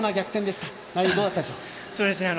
いかがだったでしょう。